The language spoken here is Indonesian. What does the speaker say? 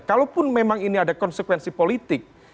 kalaupun memang ini ada konsekuensi politik